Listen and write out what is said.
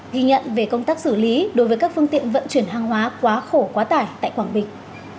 ghi nhận về công tác xử lý đối với các phương tiện vận chuyển hàng hóa quá khổ quá tải tại quảng bình